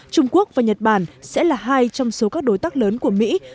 trung quốc và nhật bản sẽ là hai trong số các đối tác lớn của mỹ